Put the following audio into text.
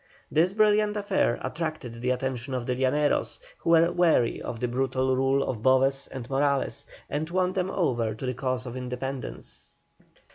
This brilliant affair attracted the attention of the Llaneros, who were weary of the brutal rule of Boves and Morales, and won them over to the cause of independence.